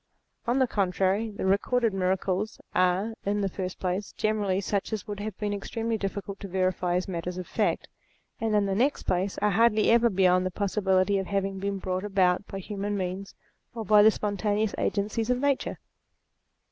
On the contrary, the recorded miracles are, in the first place, generally such as it would have been extremely difficult to verify as matters of fact, and in the next place, are hardly ever beyond the possibility of having been brought about by human means or by the spontaneous agencies of nature.